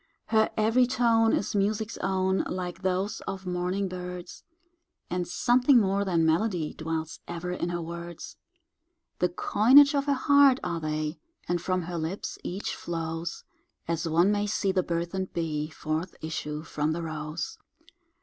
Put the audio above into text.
Her every tone is music's own, Like those of morning birds, And something more than melody Dwells ever in her words; The coinage of her heart are they, And from her lips each flows As one may see the burden'd bee Forth issue from the rose.